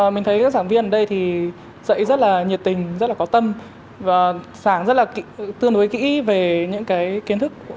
mình thấy các giảng viên ở đây thì dạy rất là nhiệt tình rất là có tâm và sáng rất là tương đối kỹ về những cái kiến thức